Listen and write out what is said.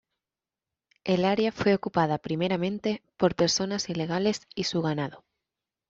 El área fue ocupada primeramente, por personas ilegales y su ganado.